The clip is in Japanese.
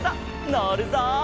のるぞ！